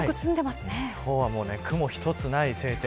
今日は雲一つない晴天。